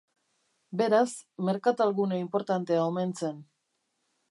Beraz, merkatal gune inportantea omen zen.